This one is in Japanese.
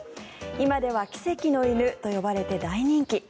今では奇跡の犬と呼ばれて大人気。